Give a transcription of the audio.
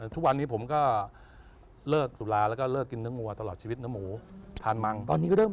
ทุกวันนี้ผมก็เลิกสุราและเลิกกินน้ำงั้วตลอดชีวิตตอนไหน